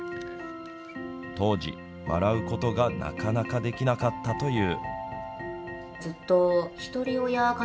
当時、笑うことがなかなかできなかったという。